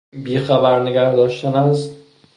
بیخبر نگهداشتن از